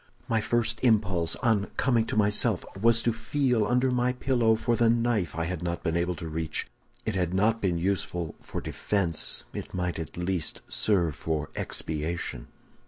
"My first impulse, on coming to myself, was to feel under my pillow for the knife I had not been able to reach; if it had not been useful for defense, it might at least serve for expiation.